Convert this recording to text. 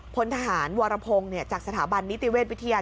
พลทหารวรพงศ์จากสถาบันนิติเวชวิทยา